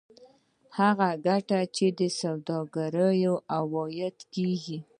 هغه ګټه چې د سوداګر عواید کېږي